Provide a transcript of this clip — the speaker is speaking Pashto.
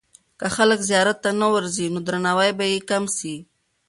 که خلک زیارت ته نه ورځي، نو درناوی به یې کم سي.